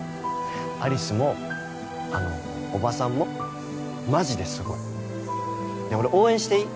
有栖もあのおばさんもマジですごい俺応援していい？